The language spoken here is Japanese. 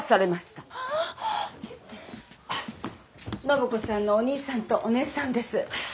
暢子さんのお兄さんとお姉さんです。